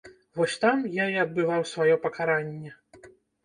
Вось там я і адбываў сваё пакаранне.